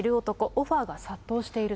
オファーが殺到していると。